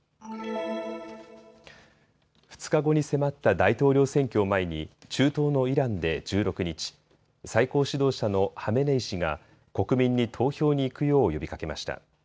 ２日後に迫った大統領選挙を前に中東のイランで１６日、最高指導者のハメネイ師が国民に投票に行くよう呼びかけました。